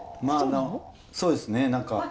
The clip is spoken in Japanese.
まあそうですね何か。